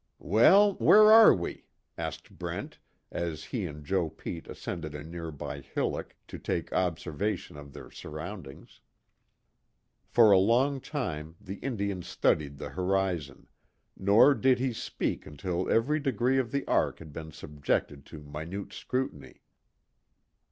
"Well, where are we?" asked Brent, as he and Joe Pete ascended a nearby hillock to take observation of their surroundings. For a long time the Indian studied the horizon, nor did he speak until every degree of the arc had been subjected to minute scrutiny.